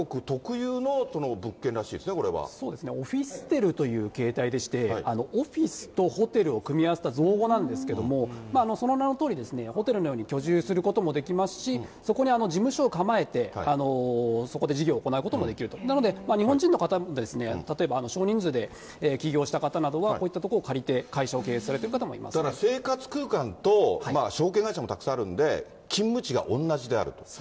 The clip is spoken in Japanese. そうですね、オフィステルという形態でして、オフィスとオフィスとホテルを組み合わせた造語なんですけれども、その名のとおり、ホテルのように居住することもできますし、そこに事務所を構えて、そこで事業を行うこともできると、なので、日本人の方も、例えば少人数で起業した方などはこういった所を借りて、会社を経だから生活空間と証券会社もたくさんあるんで、勤務地が同じであると。